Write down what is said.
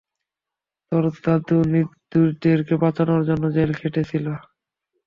তোর দাদু নির্দোষদেরকে বাঁচানোর জন্য জেল খেটেছিল।